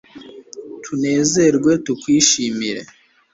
tunezerwe tukwishimire